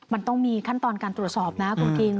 มันต้องมีขั้นตอนการตรวจสอบนะคุณคิง